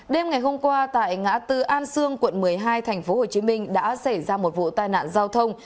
đêm ngày hôm qua tại ngã tư an sương quận một mươi hai tp hcm đã xảy ra một vụ tai nạn giao thông